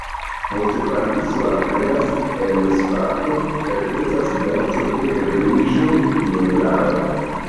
Poste Pariso alvenas en Sparto kaj estas gasto de reĝo Menelao.